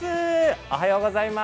おはようございます。